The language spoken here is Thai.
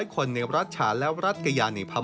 ๑๐๐คนในรัฐฉาและรัฐกะยานในพระม่า